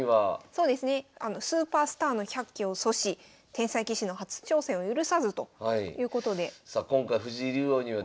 そうですね「スーパースターの１００期を阻止」「天才棋士の初挑戦を許さず」ということで。